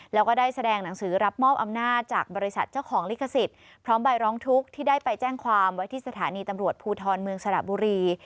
แล้วก็ได้แสดงหนังสือรับมอบอำนาจจากบริษัทเจ้าของลิขสิทธิ์พร้อมใบร้องทุกข์ที่ได้ไปแจ้งความไว้ที่สถานีตำรวจภูทรเมืองสระบุรี